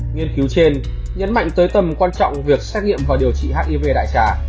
nghiên cứu trên nhấn mạnh tới tầm quan trọng việc xét nghiệm và điều trị hiv đại trà